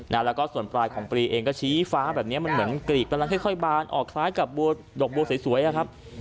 แล้วก็ส่วนปลายของปลีเองก็ชี้ฟ้าแบบนี้มันเหมือนกลีกกำลังค่อยบานออกคล้ายกับบัวดอกบัวสวยนะครับ